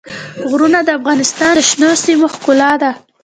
غرونه د افغانستان د شنو سیمو ښکلا ده.